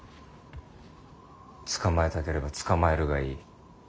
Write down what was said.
捕まえたければ捕まえるがいい。